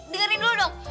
dengerin dulu dong